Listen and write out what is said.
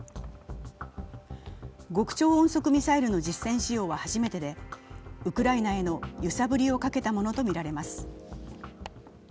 極超音速ミサイルの実戦使用は初めてでウクライナへの揺さぶりをかけたものとみられます。